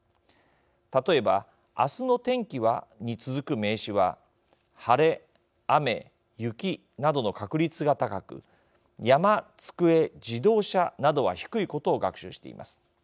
例えば明日の天気は、に続く名詞は晴れ、雨、雪などの確率が高く山、机、自動車などは低いことを学習しています。